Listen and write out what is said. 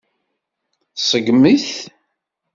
Tṣeggem-it.